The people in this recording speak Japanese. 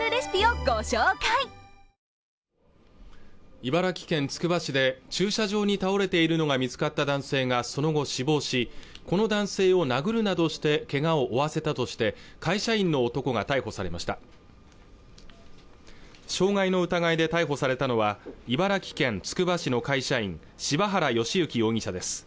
茨城県つくば市で駐車場に倒れているのが見つかった男性がその後死亡しこの男性を殴るなどしてけがを負わせたとして会社員の男が逮捕されました傷害の疑いで逮捕されたのは茨城県つくば市の会社員柴原義行容疑者です